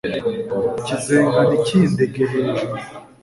ikizenga ntikindenge hejuru